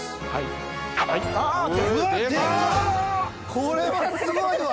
これはすごいわ！